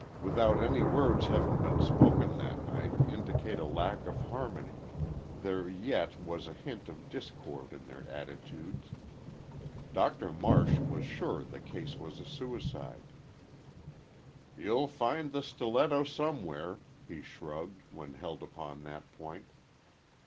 Without any words having been spoken that might indicate a lack of harmony, there yet was a hint of discord in their attitudes. Doctor Marsh was sure the case was a suicide. "You'll find the stiletto somewhere," he shrugged, when held upon that point.